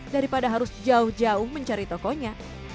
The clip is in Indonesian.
daripada harus jauh jauh mencari tokonya